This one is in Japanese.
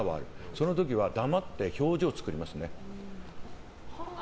その時は黙って表情を作りますね。